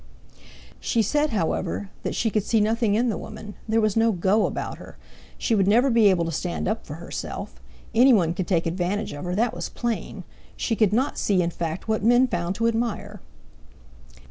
She said, however, that she could see nothing in the woman—there was no "go" about her—she would never be able to stand up for herself—anyone could take advantage of her, that was plain—she could not see in fact what men found to admire!